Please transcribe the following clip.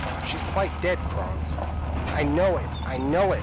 She's quite dead, Krantz.' "'I know it I know it!'